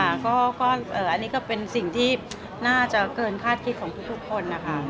อันนี้ก็เป็นสิ่งที่น่าจะเกินคาดคิดของทุกคนนะคะ